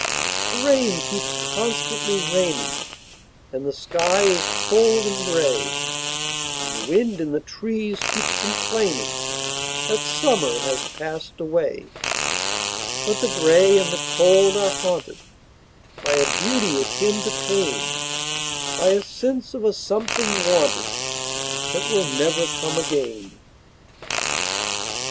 The rain keeps constantly raining, And the sky is cold and gray, And the wind in the trees keeps complainingThat summer has passed away;—But the gray and the cold are hauntedBy a beauty akin to pain,—By a sense of a something wanted, That never will come again.